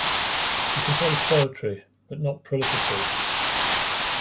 She composed poetry, but not prolifically.